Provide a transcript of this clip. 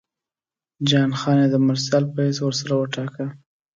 جهان خان یې د مرستیال په حیث ورسره وټاکه.